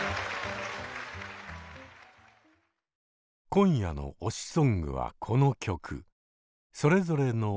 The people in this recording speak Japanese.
今夜の「推しソング」はこの曲。